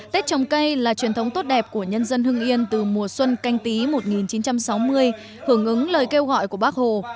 tết trồng cây là truyền thống tốt đẹp của nhân dân hưng yên từ mùa xuân canh tí một nghìn chín trăm sáu mươi hưởng ứng lời kêu gọi của bác hồ